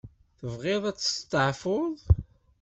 Tebɣiḍ ad testeɛfuḍ?